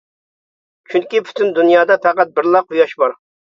چۈنكى پۈتۈن دۇنيادا پەقەت بىرلا قۇياش بار.